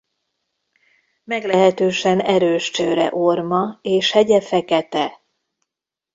Meglehetősen erős csőre orma és hegye fekete.